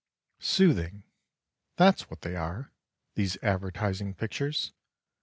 Soothing—that's what they are, these advertising pictures.